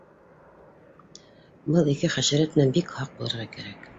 Был ике хәшәрәт менән бик һаҡ булырға кәрәк